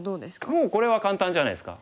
もうこれは簡単じゃないですか。